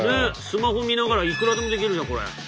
スマホ見ながらいくらでもできるじゃんこれ。